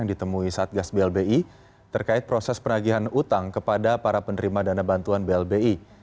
yang ditemui satgas blbi terkait proses penagihan utang kepada para penerima dana bantuan blbi